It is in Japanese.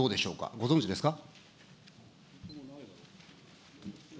ご存じですか。